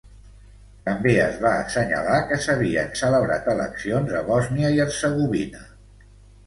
També es va assenyalar que s'havien celebrat eleccions a Bòsnia i Hercegovina.